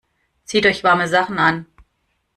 Zieht euch warme Sachen an!